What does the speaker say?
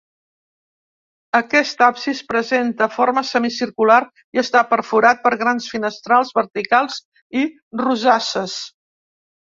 Aquest absis presenta forma semicircular i està perforat per grans finestrals verticals i rosasses.